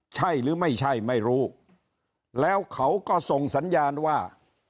ใช่หรือไม่ใช่ไม่รู้แล้วเขาก็ส่งสัญญาณว่า